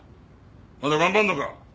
まだ頑張るのか？